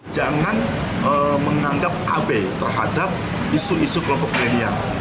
jangan menganggap abe terhadap isu isu kelompok milenial